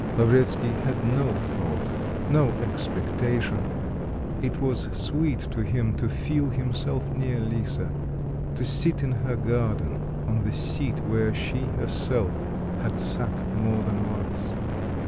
Lavretsky had no thought, no expectation; it was sweet to him to feel himself near Lisa, to sit in her garden on the seat where she herself had sat more than once.